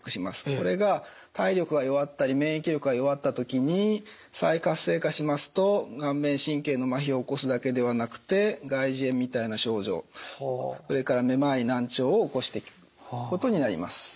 これが体力が弱ったり免疫力が弱った時に再活性化しますと顔面神経のまひを起こすだけではなくて外耳炎みたいな症状それからめまい難聴を起こしていくことになります。